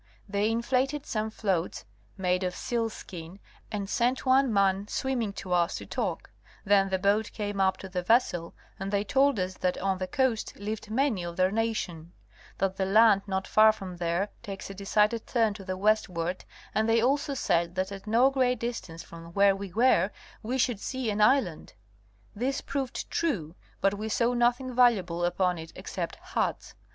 They inflated some floats made of sealskin and sent one man swimming to us to talk, then the boat came up to the vessel and they told us that on the coast lived many of their nation; that the land not far from there takes a decided turn to the westward, and they also said that at no great distance from where we were, we should see an island. This proved true, but we saw nothing valuable upon it except huts.